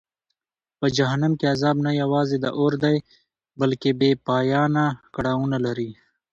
په جهنم کې عذاب نه یوازې د اور دی بلکه بېپایانه کړاوونه لري.